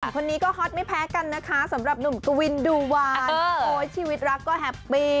คนนี้ก็ฮอตไม่แพ้กันนะคะสำหรับหนุ่มกวินดูวานโอ้ยชีวิตรักก็แฮปปี้